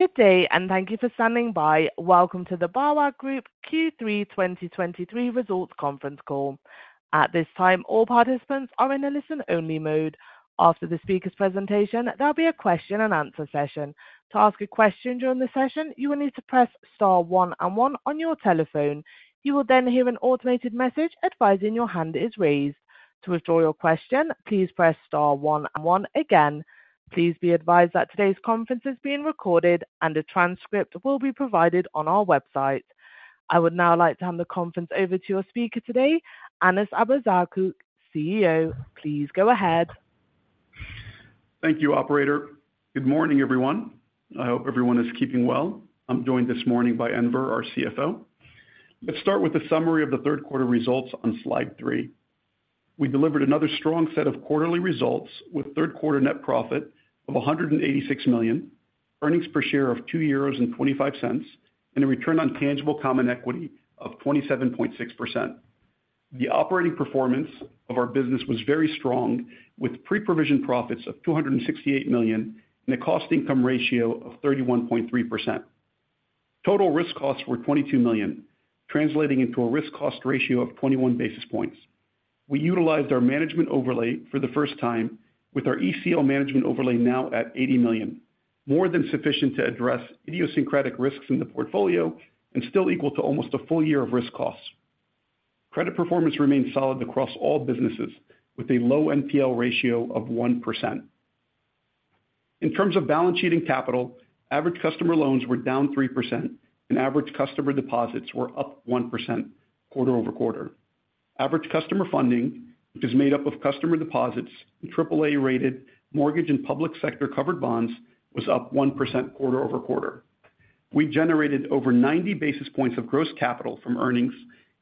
Good day, and thank you for standing by. Welcome to the BAWAG Group Q3 2023 results conference call. At this time, all participants are in a listen-only mode. After the speaker's presentation, there'll be a question-and-answer session. To ask a question during the session, you will need to press star one and one on your telephone. You will then hear an automated message advising your hand is raised. To withdraw your question, please press star one and one again. Please be advised that today's conference is being recorded, and a transcript will be provided on our website. I would now like to hand the conference over to your speaker today, Anas Abuzaakouk, CEO. Please go ahead. Thank you, operator. Good morning, everyone. I hope everyone is keeping well. I'm joined this morning by Enver, our CFO. Let's start with a summary of the Q3 results on slide 3. We delivered another strong set of quarterly results, with Q3 net profit of 186 million, earnings per share of 2.25 euros, and a return on tangible common equity of 27.6%. The operating performance of our business was very strong, with pre-provision profits of 268 million and a cost income ratio of 31.3%. Total risk costs were 22 million, translating into a risk cost ratio of 21 basis points. We utilized our management overlay for the first time, with our ECL management overlay now at 80 million, more than sufficient to address idiosyncratic risks in the portfolio and still equal to almost a full year of risk costs. Credit performance remains solid across all businesses, with a low NPL ratio of 1%. In terms of balance sheet and capital, average customer loans were down 3%, and average customer deposits were up 1% quarter-over-quarter. Average customer funding, which is made up of customer deposits and triple A-rated mortgage and public sector covered bonds, was up 1% quarter-over-quarter. We generated over 90 basis points of gross capital from earnings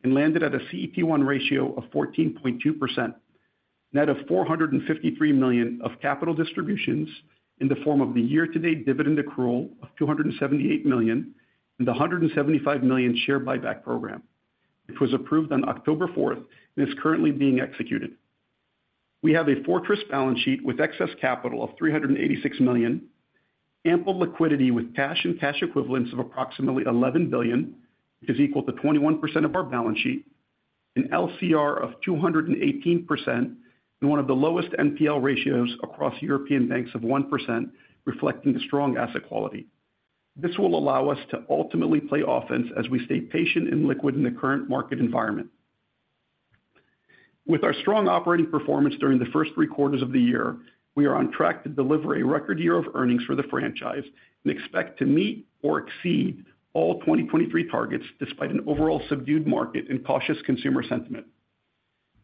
and landed at a CET1 ratio of 14.2%, net of 453 million of capital distributions in the form of the year-to-date dividend accrual of 278 million and the 175 million share buyback program, which was approved on October fourth and is currently being executed. We have a fortress balance sheet with excess capital of 386 million. Ample liquidity with cash and cash equivalents of approximately 11 billion is equal to 21% of our balance sheet, an LCR of 218% and one of the lowest NPL ratios across European banks of 1%, reflecting the strong asset quality. This will allow us to ultimately play offense as we stay patient and liquid in the current market environment. With our strong operating performance during the first three quarters of the year, we are on track to deliver a record year of earnings for the franchise and expect to meet or exceed all 2023 targets, despite an overall subdued market and cautious consumer sentiment.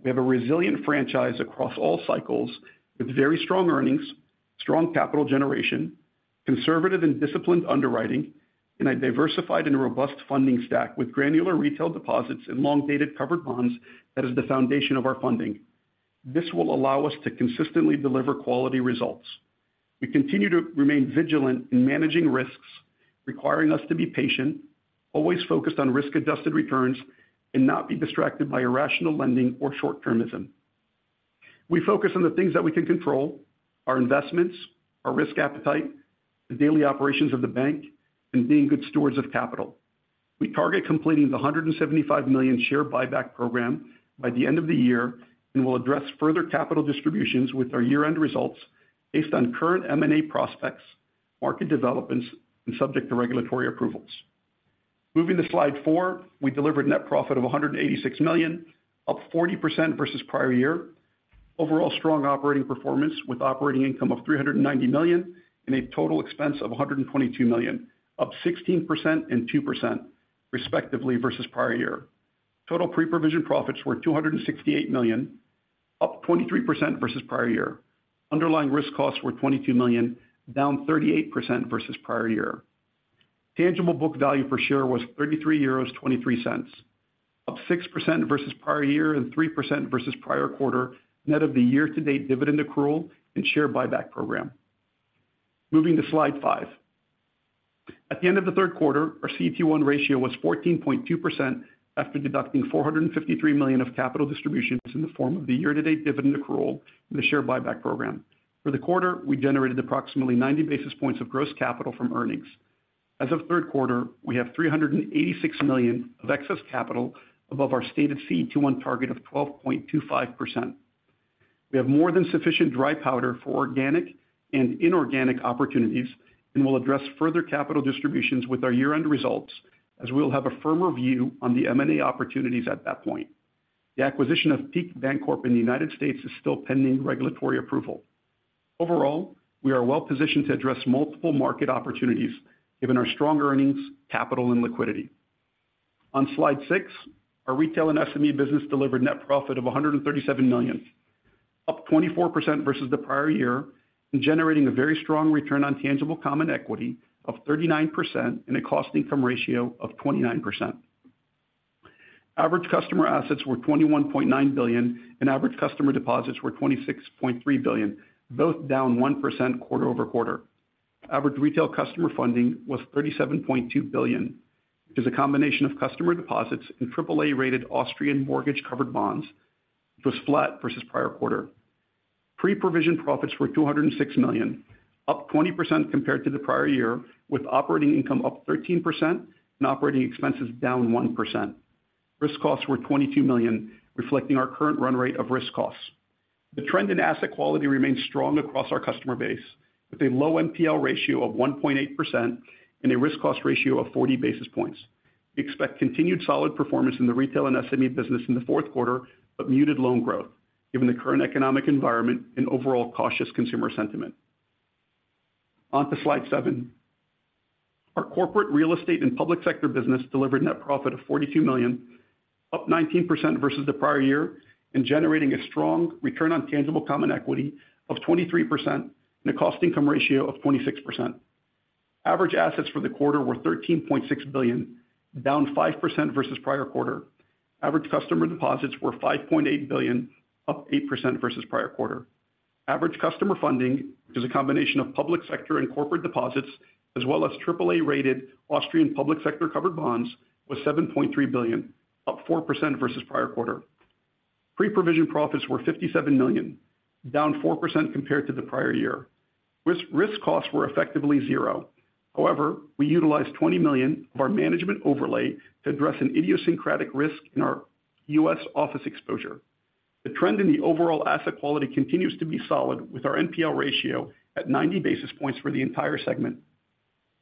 We have a resilient franchise across all cycles, with very strong earnings, strong capital generation, conservative and disciplined underwriting, and a diversified and robust funding stack with granular retail deposits and long-dated covered bonds that is the foundation of our funding. This will allow us to consistently deliver quality results. We continue to remain vigilant in managing risks, requiring us to be patient, always focused on risk-adjusted returns, and not be distracted by irrational lending or short-termism. We focus on the things that we can control: our investments, our risk appetite, the daily operations of the bank, and being good stewards of capital. We target completing the 175 million share buyback program by the end of the year, and we'll address further capital distributions with our year-end results based on current M&A prospects, market developments, and subject to regulatory approvals. Moving to slide 4. We delivered net profit of 186 million, up 40% versus prior year. Overall strong operating performance with operating income of 390 million and a total expense of 122 million, up 16% and 2%, respectively, versus prior year. Total pre-provision profits were 268 million, up 23% versus prior year. Underlying risk costs were 22 million, down 38% versus prior year. Tangible book value per share was 33.23 euros, up 6% versus prior year and 3% versus prior quarter, net of the year-to-date dividend accrual and share buyback program. Moving to slide 5. At the end of the Q3, our CET1 ratio was 14.2% after deducting 453 million of capital distributions in the form of the year-to-date dividend accrual and the share buyback program. For the quarter, we generated approximately 90 basis points of gross capital from earnings. As of Q3, we have 386 million of excess capital above our stated CET1 target of 12.25%. We have more than sufficient dry powder for organic and inorganic opportunities and will address further capital distributions with our year-end results, as we'll have a firmer view on the M&A opportunities at that point. The acquisition of Peak Bancorp in the United States is still pending regulatory approval. Overall, we are well positioned to address multiple market opportunities given our strong earnings, capital, and liquidity. On slide 6, our retail and SME business delivered net profit of 137 million, up 24% versus the prior year, and generating a very strong return on tangible common equity of 39% and a cost income ratio of 29%. Average customer assets were 21.9 billion, and average customer deposits were 26.3 billion, both down 1% quarter-over-quarter. Average retail customer funding was 37.2 billion, which is a combination of customer deposits and AAA-rated Austrian mortgage-covered bonds, was flat versus prior quarter. Pre-provision profits were 206 million, up 20% compared to the prior year, with operating income up 13% and operating expenses down 1%. Risk costs were 22 million, reflecting our current run rate of risk costs. The trend in asset quality remains strong across our customer base, with a low NPL ratio of 1.8% and a risk cost ratio of 40 basis points. We expect continued solid performance in the retail and SME business in the Q4, but muted loan growth, given the current economic environment and overall cautious consumer sentiment. On to slide seven. Our corporate real estate and public sector business delivered net profit of 42 million, up 19% versus the prior year, and generating a strong return on tangible common equity of 23% and a cost income ratio of 26%. Average assets for the quarter were 13.6 billion, down 5% versus prior quarter. Average customer deposits were 5.8 billion, up 8% versus prior quarter. Average customer funding is a combination of public sector and corporate deposits, as well as AAA-rated Austrian public sector covered bonds, was 7.3 billion, up 4% versus prior quarter. Pre-provision profits were 57 million, down 4% compared to the prior year. Risk costs were effectively zero. However, we utilized 20 million of our management overlay to address an idiosyncratic risk in our US office exposure. The trend in the overall asset quality continues to be solid, with our NPL ratio at 90 basis points for the entire segment.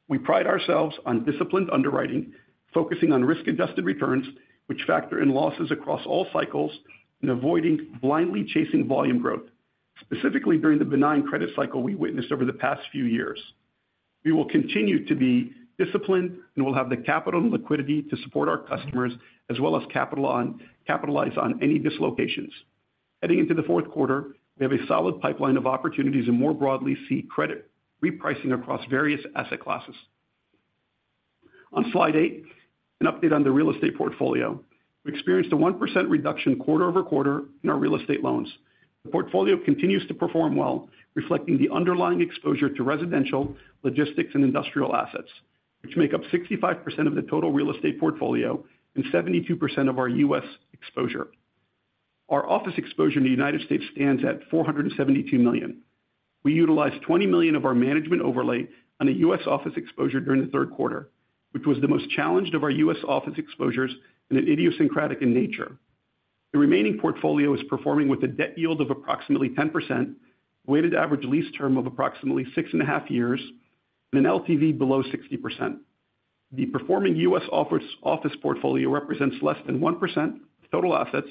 We pride ourselves on disciplined underwriting, focusing on risk-adjusted returns, which factor in losses across all cycles and avoiding blindly chasing volume growth, specifically during the benign credit cycle we witnessed over the past few years. We will continue to be disciplined, and we'll have the capital and liquidity to support our customers, as well as capital to capitalize on any dislocations. Heading into the Q4, we have a solid pipeline of opportunities and more broadly see credit repricing across various asset classes. On slide 8, an update on the real estate portfolio. We experienced a 1% reduction quarter over quarter in our real estate loans. The portfolio continues to perform well, reflecting the underlying exposure to residential, logistics, and industrial assets, which make up 65% of the total real estate portfolio and 72% of our U.S. exposure. Our office exposure in the United States stands at $472 million. We utilized $20 million of our management overlay on the US office exposure during the Q3, which was the most challenged of our US office exposures and idiosyncratic in nature. The remaining portfolio is performing with a debt yield of approximately 10%, weighted average lease term of approximately 6.5 years, and an LTV below 60%. The performing US office, office portfolio represents less than 1% of total assets,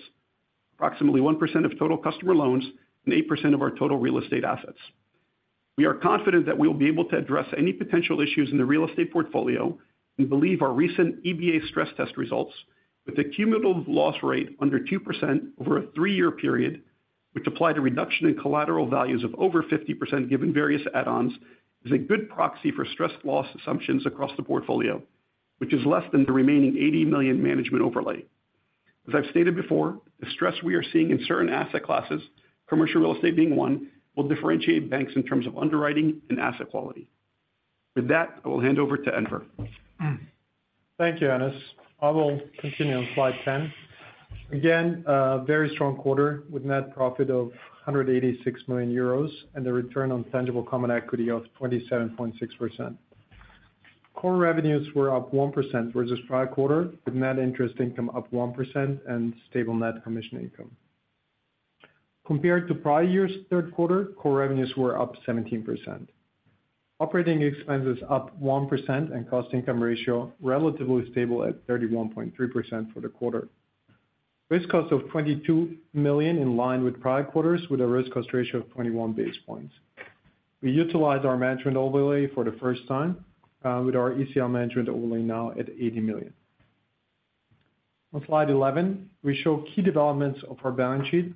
approximately 1% of total customer loans, and 8% of our total real estate assets. We are confident that we will be able to address any potential issues in the real estate portfolio and believe our recent EBA stress test results with a cumulative loss rate under 2% over a 3-year period, which applied a reduction in collateral values of over 50% given various add-ons, is a good proxy for stress loss assumptions across the portfolio, which is less than the remaining 80 million management overlay. As I've stated before, the stress we are seeing in certain asset classes, commercial real estate being one, will differentiate banks in terms of underwriting and asset quality. With that, I will hand over to Enver. Thank you, Anas. I will continue on slide 10. Again, very strong quarter with net profit of 186 million euros and a return on tangible common equity of 27.6%. Core revenues were up 1% versus prior quarter, with net interest income up 1% and stable net commission income. Compared to prior year's Q3, core revenues were up 17%. Operating expenses up 1% and cost income ratio relatively stable at 31.3% for the quarter. Risk cost of 22 million, in line with prior quarters, with a risk cost ratio of 21 basis points. We utilized our management overlay for the first time, with our ECL management overlay now at 80 million. On slide 11, we show key developments of our balance sheet.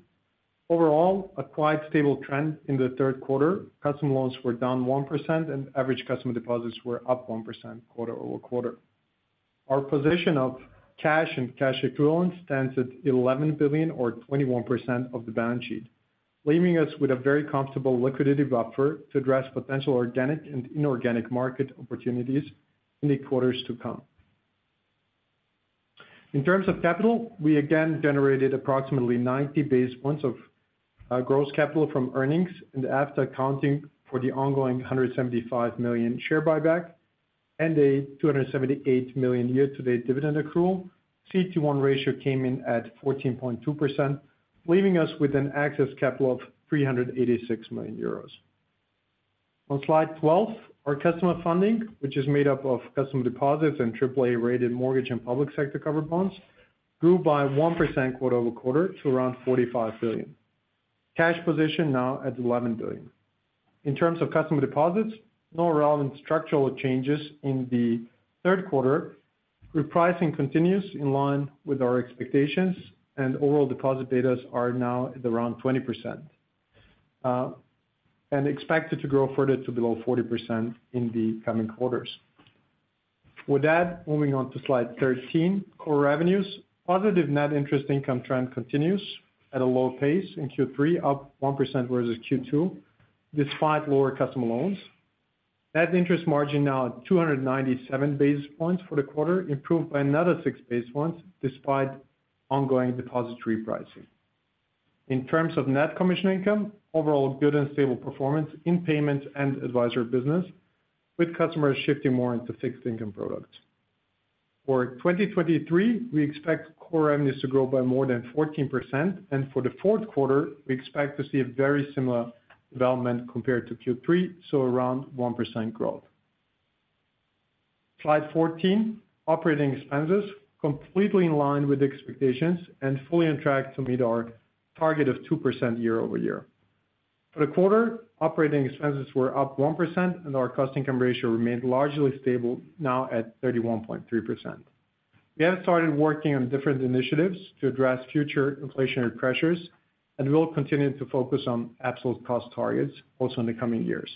Overall, a quite stable trend in the Q3. Customer loans were down 1%, and average customer deposits were up 1% quarter-over-quarter. Our position of cash and cash equivalents stands at 11 billion or 21% of the balance sheet, leaving us with a very comfortable liquidity buffer to address potential organic and inorganic market opportunities in the quarters to come. In terms of capital, we again generated approximately 90 basis points of gross capital from earnings and after accounting for the ongoing 175 million share buyback and a 278 million year-to-date dividend accrual, CET1 ratio came in at 14.2%, leaving us with an excess capital of 386 million euros. On slide 12, our customer funding, which is made up of customer deposits and AAA-rated mortgage and public sector covered bonds, grew by 1% quarter-over-quarter to around 45 billion. Cash position now at 11 billion. In terms of customer deposits, no relevant structural changes in the Q3. Repricing continues in line with our expectations, and overall deposit betas are now at around 20%, and expected to grow further to below 40% in the coming quarters. With that, moving on to slide 13, core revenues. Positive net interest income trend continues at a low pace in Q3, up 1% versus Q2, despite lower customer loans.... Net interest margin now at 297 basis points for the quarter, improved by another 6 basis points despite ongoing deposit repricing. In terms of net commission income, overall good and stable performance in payments and advisory business, with customers shifting more into fixed income products. For 2023, we expect core revenues to grow by more than 14%, and for the Q4, we expect to see a very similar development compared to Q3, so around 1% growth. Slide 14, operating expenses completely in line with expectations and fully on track to meet our target of 2% year-over-year. For the quarter, operating expenses were up 1%, and our cost income ratio remained largely stable, now at 31.3%. We have started working on different initiatives to address future inflationary pressures, and we will continue to focus on absolute cost targets also in the coming years.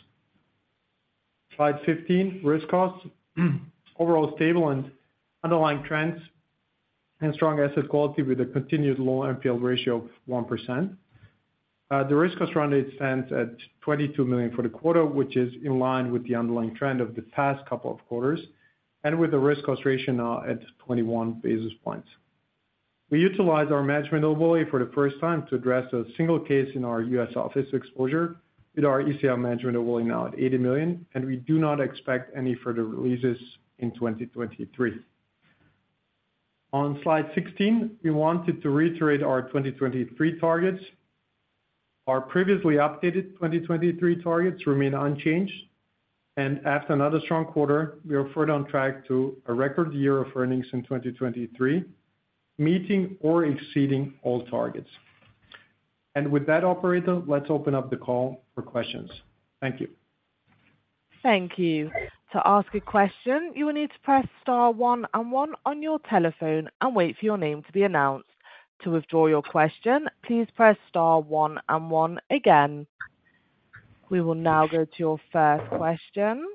Slide 15, risk costs. Overall stable and underlying trends and strong asset quality with a continued low NPL ratio of 1%. The risk cost rounded stands at 22 million for the quarter, which is in line with the underlying trend of the past couple of quarters, and with the risk cost ratio now at 21 basis points. We utilized our management overlay for the first time to address a single case in our U.S. office exposure, with our ECL management overlay now at 80 million, and we do not expect any further releases in 2023. On slide 16, we wanted to reiterate our 2023 targets. Our previously updated 2023 targets remain unchanged, and after another strong quarter, we are further on track to a record year of earnings in 2023, meeting or exceeding all targets. With that, operator, let's open up the call for questions. Thank you. Thank you. To ask a question, you will need to press star one and one on your telephone and wait for your name to be announced. To withdraw your question, please press star one and one again. We will now go to your first question.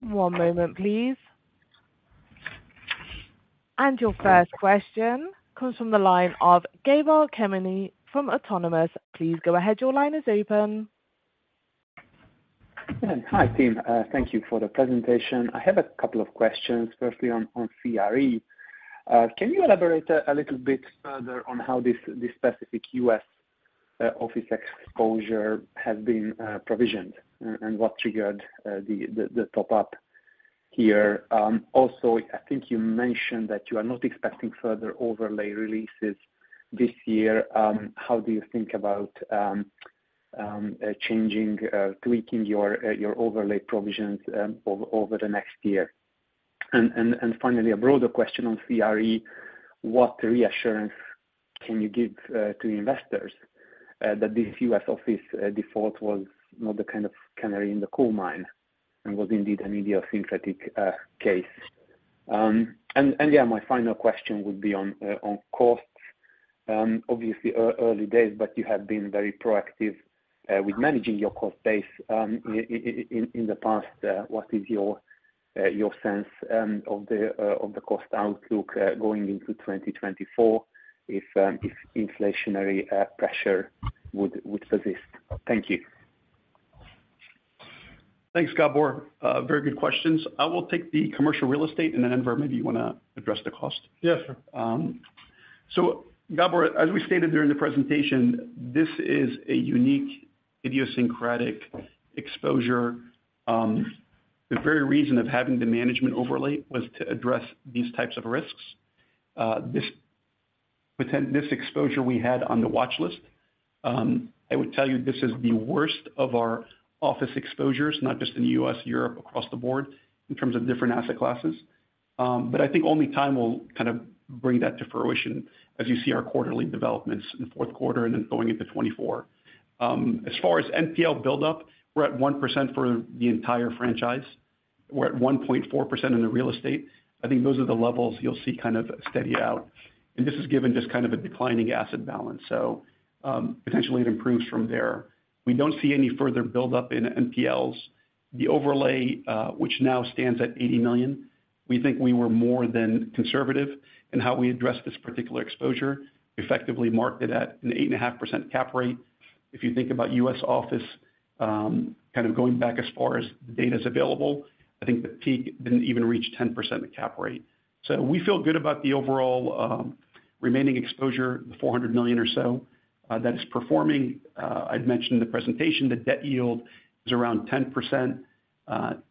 One moment, please. And your first question comes from the line of Gabor Kemeny from Autonomous. Please go ahead. Your line is open. Hi, team. Thank you for the presentation. I have a couple of questions, firstly on CRE. Can you elaborate a little bit further on how this specific U.S. office exposure has been provisioned, and what triggered the top up here? Also, I think you mentioned that you are not expecting further overlay releases this year. How do you think about changing tweaking your overlay provisions over the next year? Finally, a broader question on CRE: What reassurance can you give to investors that this U.S. office default was not the kind of canary in the coal mine, and was indeed an idiosyncratic case? And yeah, my final question would be on costs? Obviously, early days, but you have been very proactive with managing your cost base in the past. What is your sense of the cost outlook going into 2024, if inflationary pressure would persist? Thank you. Thanks, Gabor, very good questions. I will take the commercial real estate, and then, Enver, maybe you want to address the cost? Yeah, sure. So Gabor, as we stated during the presentation, this is a unique, idiosyncratic exposure. The very reason of having the management overlay was to address these types of risks. This exposure we had on the watch list, I would tell you this is the worst of our office exposures, not just in the U.S., Europe, across the board, in terms of different asset classes. But I think only time will kind of bring that to fruition, as you see our quarterly developments in the Q4 and then going into 2024. As far as NPL buildup, we're at 1% for the entire franchise. We're at 1.4% in the real estate. I think those are the levels you'll see kind of steady out. And this is given just kind of a declining asset balance, so, potentially it improves from there. We don't see any further buildup in NPLs. The overlay, which now stands at $80 million, we think we were more than conservative in how we addressed this particular exposure, effectively marked it at an 8.5% cap rate. If you think about U.S. office, kind of going back as far as the data's available, I think the peak didn't even reach 10% cap rate. So we feel good about the overall, remaining exposure, the $400 million or so, that is performing. I'd mentioned in the presentation, the debt yield is around 10%.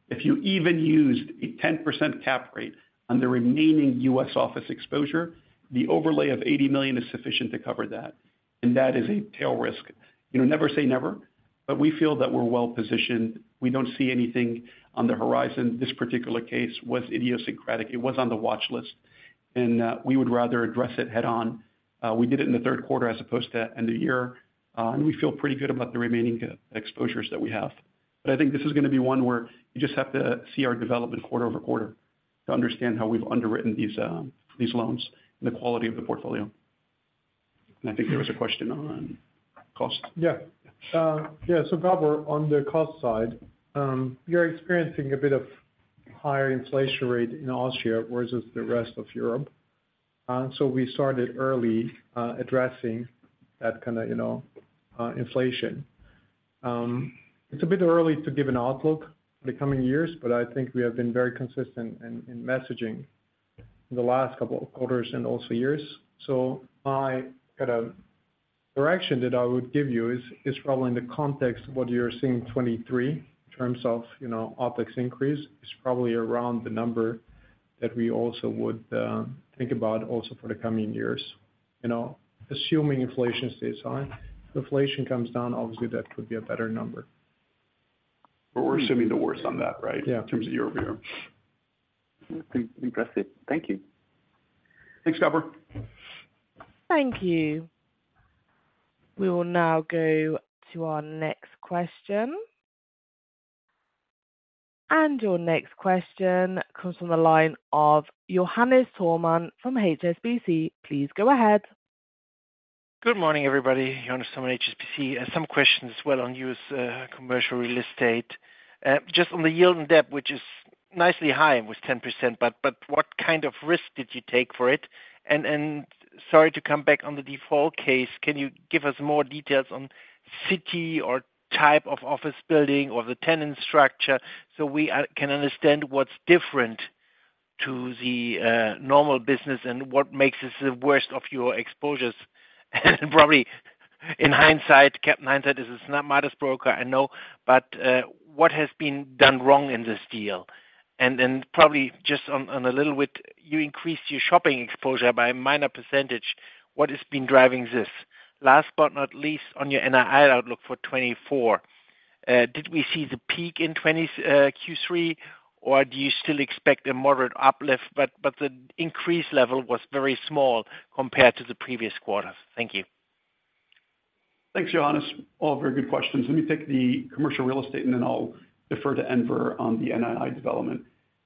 If you even used a 10% cap rate on the remaining US office exposure, the overlay of 80 million is sufficient to cover that, and that is a tail risk. You know, never say never, but we feel that we're well positioned. We don't see anything on the horizon. This particular case was idiosyncratic. It was on the watch list, and we would rather address it head-on. We did it in the Q3 as opposed to end of year, and we feel pretty good about the remaining exposures that we have. But I think this is gonna be one where you just have to see our development quarter-over-quarter to understand how we've underwritten these, these loans and the quality of the portfolio. And I think there was a question on cost. Yeah. Yeah, so Gabor, on the cost side, you're experiencing a bit of higher inflation rate in Austria, versus the rest of Europe. So we started early, addressing that kind of, you know, inflation. It's a bit early to give an outlook for the coming years, but I think we have been very consistent in, in messaging in the last couple of quarters and also years. So my kind of direction that I would give you is, is probably in the context of what you're seeing 2023, in terms of, you know, OpEx increase, is probably around the number that we also would, think about also for the coming years. You know, assuming inflation stays high. If inflation comes down, obviously that would be a better number. But we're assuming the worst on that, right? Yeah. In terms of year-over-year. Okay, impressive. Thank you. Thanks, Gabor. Thank you. We will now go to our next question. Your next question comes from the line of Johannes Thormann from HSBC. Please go ahead. Good morning, everybody. Johannes Toman, HSBC. I have some questions as well on U.S. commercial real estate. Just on the yield and debt, which is nicely high with 10%, but, but what kind of risk did you take for it? And, and sorry to come back on the default case, can you give us more details on city or type of office building or the tenant structure so we can understand what's different to the normal business and what makes this the worst of your exposures? And probably, in hindsight, hindsight is 20/20, I know, but what has been done wrong in this deal? And then probably just on, on a little bit, you increased your shopping exposure by a minor percentage. What has been driving this? Last but not least, on your NII outlook for 2024, did we see the peak in 2020 Q3, or do you still expect a moderate uplift? But the increase level was very small compared to the previous quarters. Thank you. Thanks, Johannes. All very good questions. Let me take the commercial real estate, and then I'll defer to Enver on the NII development.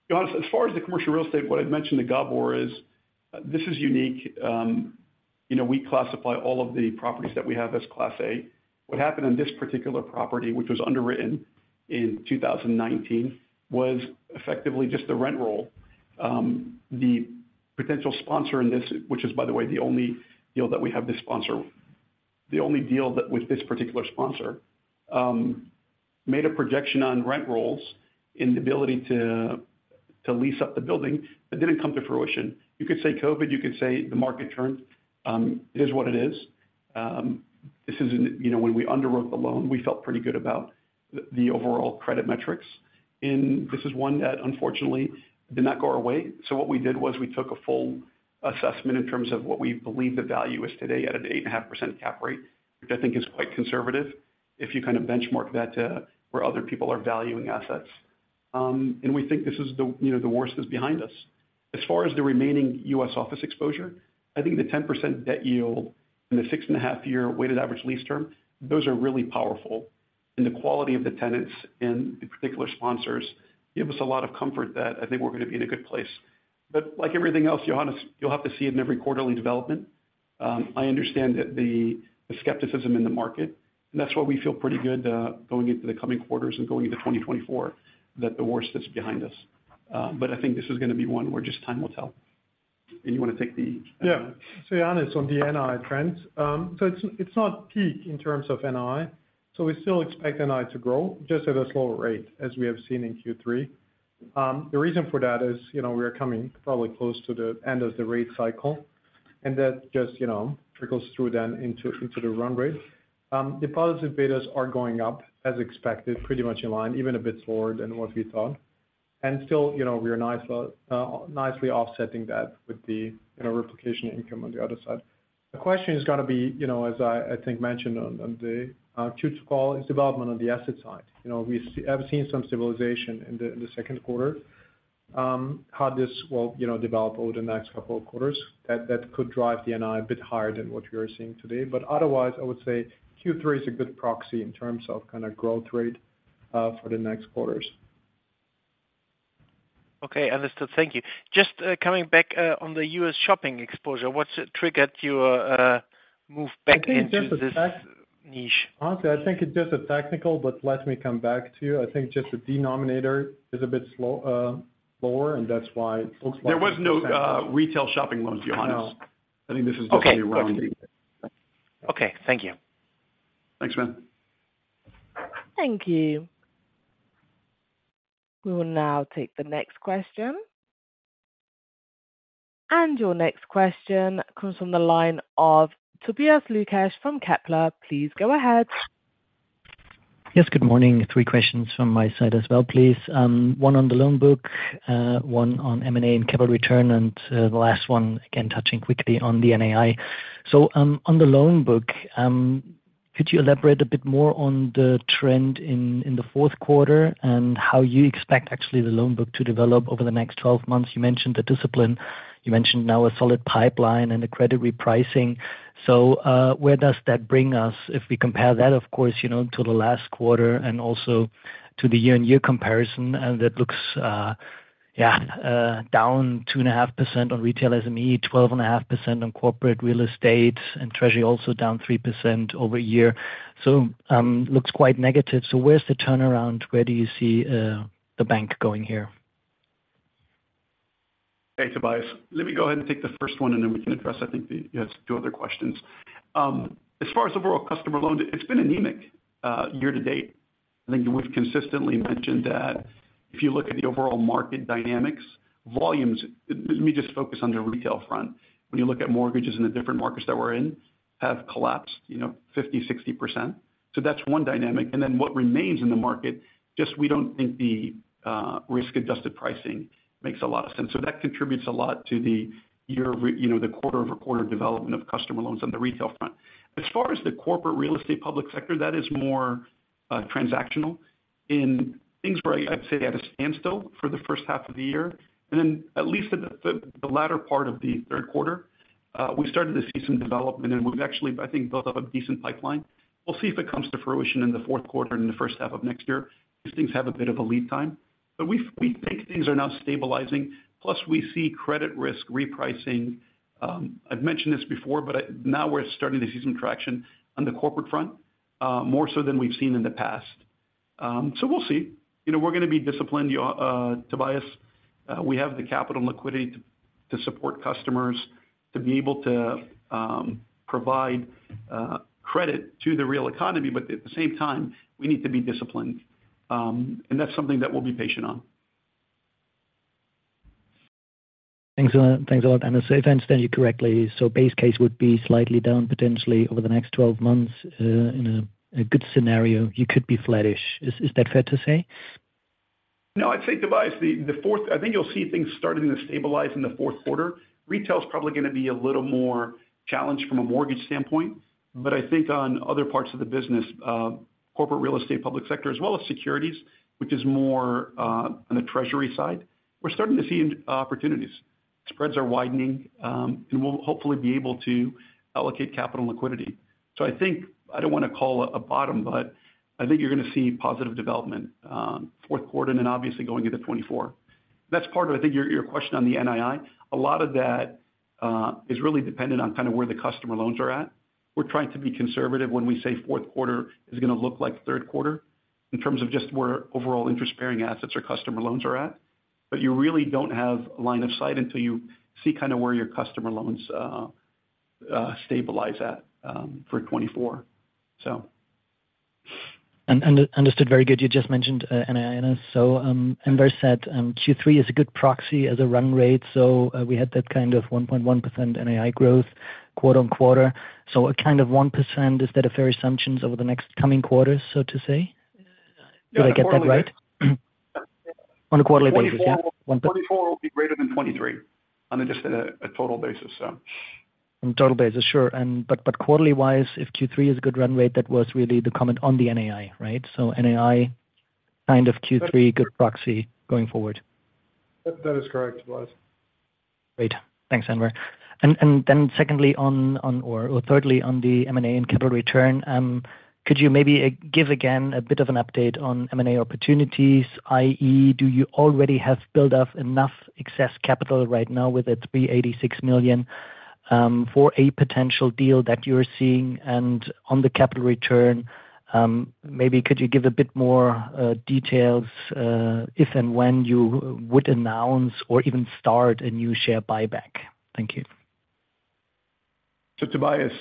Johannes, as far as the commercial real estate, what I'd mentioned to Gabor is, this is unique. You know, we classify all of the properties that we have as Class A. What happened on this particular property, which was underwritten in 2019, was effectively just the rent roll. The potential sponsor in this, which is, by the way, the only deal that we have with this particular sponsor, made a projection on rent rolls and the ability to lease up the building, but didn't come to fruition. You could say COVID, you could say the market turned. It is what it is. This isn't... You know, when we underwrote the loan, we felt pretty good about the overall credit metrics in. This is one that unfortunately did not go our way. So what we did was we took a full assessment in terms of what we believe the value is today at an 8.5% cap rate, which I think is quite conservative, if you kind of benchmark that to where other people are valuing assets. And we think this is, you know, the worst is behind us. As far as the remaining U.S. office exposure, I think the 10% debt yield and the 6.5-year weighted average lease term, those are really powerful. And the quality of the tenants and the particular sponsors give us a lot of comfort that I think we're going to be in a good place. But like everything else, Johannes, you'll have to see it in every quarterly development. I understand that the skepticism in the market, and that's why we feel pretty good, going into the coming quarters and going into 2024, that the worst is behind us. But I think this is gonna be one where just time will tell. And you want to take the- Yeah. So Johannes, on the NII trends, so it's not peak in terms of NII, so we still expect NII to grow, just at a slower rate as we have seen in Q3. The reason for that is, you know, we are coming probably close to the end of the rate cycle, and that just, you know, trickles through then into the run rate. Deposit betas are going up as expected, pretty much in line, even a bit slower than what we thought. And still, you know, we are nicely offsetting that with the replication income on the other side. The question is gonna be, you know, as I think mentioned on the Q2 call, is development on the asset side. You know, we've seen some stabilization in the Q2. how this will, you know, develop over the next couple of quarters, that could drive the NII a bit higher than what we are seeing today. But otherwise, I would say Q3 is a good proxy in terms of kind of growth rate, for the next quarters. Okay, understood. Thank you. Just coming back on the U.S. shopping exposure, what's triggered your move back into this niche? Honestly, I think it's just a technical, but let me come back to you. I think just the denominator is a bit slow, lower, and that's why it looks like- There was no retail shopping loans, Johannes. No. I think this is just around the- Okay, got you. Okay, thank you. Thanks, man. Thank you. We will now take the next question. Your next question comes from the line of Tobias Lukesch from Kepler. Please go ahead. Yes, good morning. 3 questions from my side as well, please. One on the loan book, one on M&A and capital return, and the last one, again, touching quickly on the NII. So, on the loan book, could you elaborate a bit more on the trend in the Q4 and how you expect actually the loan book to develop over the next 12 months? You mentioned the discipline, you mentioned now a solid pipeline and the credit repricing. So, where does that bring us if we compare that, of course, you know, to the last quarter and also to the year-on-year comparison? And that looks, yeah, down 2.5% on retail SME, 12.5% on corporate real estate, and treasury also down 3% year-over-year. So, looks quite negative. Where's the turnaround? Where do you see the bank going here?... Hey, Tobias. Let me go ahead and take the first one, and then we can address, I think, the, yes, two other questions. As far as overall customer loans, it's been anemic year to date. I think we've consistently mentioned that if you look at the overall market dynamics, volumes— Let me just focus on the retail front. When you look at mortgages in the different markets that we're in, have collapsed, you know, 50%-60%. So that's one dynamic. And then what remains in the market, just we don't think the risk-adjusted pricing makes a lot of sense. So that contributes a lot to you know, the quarter-over-quarter development of customer loans on the retail front. As far as the corporate real estate public sector, that is more transactional. In things where I'd say at a standstill for the H1 of the year, and then at least at the latter part of the Q3, we started to see some development, and we've actually, I think, built up a decent pipeline. We'll see if it comes to fruition in the Q4 and in the H1 of next year; these things have a bit of a lead time. But we think things are now stabilizing, plus we see credit risk repricing. I've mentioned this before, but now we're starting to see some traction on the corporate front, more so than we've seen in the past. So we'll see. You know, we're gonna be disciplined, Tobias. We have the capital and liquidity to support customers, to be able to provide credit to the real economy, but at the same time, we need to be disciplined. And that's something that we'll be patient on. Thanks a lot, Anas. If I understand you correctly, so base case would be slightly down, potentially over the next 12 months, in a good scenario, you could be flattish. Is that fair to say? No, I'd say, Tobias, the fourth—I think you'll see things starting to stabilize in the Q4. Retail is probably gonna be a little more challenged from a mortgage standpoint, but I think on other parts of the business, corporate real estate, public sector, as well as securities, which is more on the treasury side, we're starting to see opportunities. Spreads are widening, and we'll hopefully be able to allocate capital liquidity. So I think... I don't wanna call it a bottom, but I think you're gonna see positive development, Q4 and then obviously going into 2024. That's part of, I think, your question on the NII. A lot of that is really dependent on kind of where the customer loans are at. We're trying to be conservative when we say Q4 is gonna look like Q3, in terms of just where overall interest-bearing assets or customer loans are at. But you really don't have line of sight until you see kind of where your customer loans stabilize at, for 2024. So. Understood very good. You just mentioned NII, so Enver said Q3 is a good proxy as a run rate, so we had that kind of 1.1% NII growth quarter-on-quarter. So a kind of 1%, is that a fair assumptions over the next coming quarters, so to say? Yeah, quarterly. Did I get that right? On a quarterly basis, yeah. 2024 will be greater than 2023 on just a total basis, so. On total basis, sure. But quarterly wise, if Q3 is a good run rate, that was really the comment on the NII, right? So NII kind of Q3, good proxy going forward? That is correct, Tobias. Great. Thanks, Anas. And then secondly, or thirdly, on the M&A and capital return, could you maybe give again a bit of an update on M&A opportunities, i.e., do you already have built up enough excess capital right now with the 386 million for a potential deal that you're seeing? And on the capital return, maybe could you give a bit more details if and when you would announce or even start a new share buyback? Thank you. So, Tobias,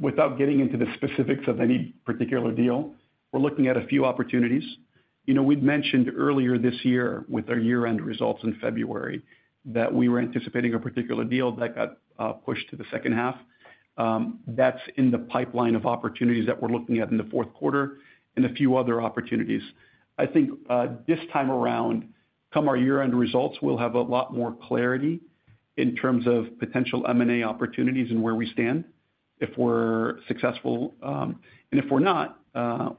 without getting into the specifics of any particular deal, we're looking at a few opportunities. You know, we'd mentioned earlier this year, with our year-end results in February, that we were anticipating a particular deal that got pushed to the H2. That's in the pipeline of opportunities that we're looking at in the Q4 and a few other opportunities. I think, this time around, come our year-end results, we'll have a lot more clarity in terms of potential M&A opportunities and where we stand, if we're successful. And if we're not,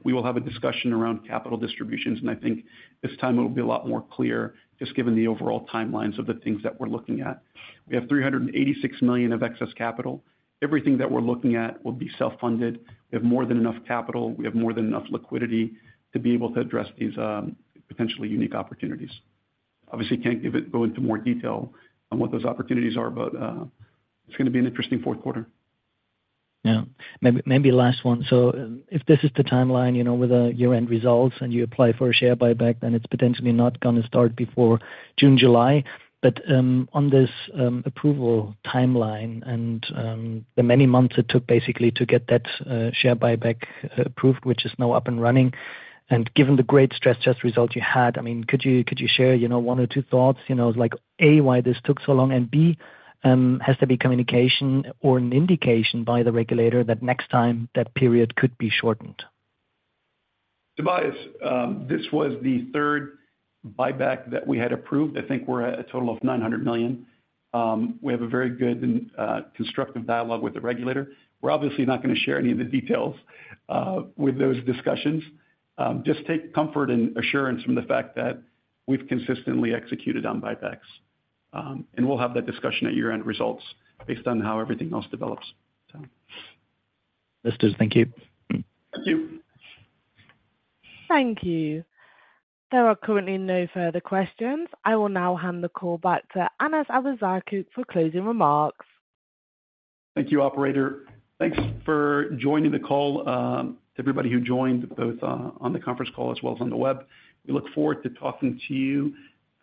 we will have a discussion around capital distributions, and I think this time it will be a lot more clear, just given the overall timelines of the things that we're looking at. We have 386 million of excess capital. Everything that we're looking at will be self-funded. We have more than enough capital, we have more than enough liquidity to be able to address these potentially unique opportunities. Obviously, can't go into more detail on what those opportunities are, but it's gonna be an interesting Q4. Yeah. Maybe, maybe last one. So if this is the timeline, you know, with the year-end results and you apply for a share buyback, then it's potentially not gonna start before June, July. But, on this, approval timeline and, the many months it took basically to get that, share buyback, approved, which is now up and running, and given the great stress test results you had, I mean, could you, could you share, you know, one or two thoughts, you know, like, A, why this took so long, and B, has to be communication or an indication by the regulator that next time that period could be shortened? Tobias, this was the third buyback that we had approved. I think we're at a total of 900 million. We have a very good and constructive dialogue with the regulator. We're obviously not gonna share any of the details with those discussions. Just take comfort and assurance from the fact that we've consistently executed on buybacks, and we'll have that discussion at year-end results based on how everything else develops, so. Understood. Thank you. Thank you. Thank you. There are currently no further questions. I will now hand the call back to Anas Abuzaakouk for closing remarks. Thank you, operator. Thanks for joining the call, everybody who joined both, on the conference call as well as on the web. We look forward to talking to you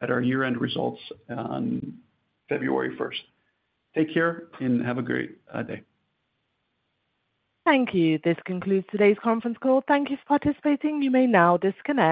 at our year-end results on February first. Take care, and have a great day. Thank you. This concludes today's conference call. Thank you for participating. You may now disconnect.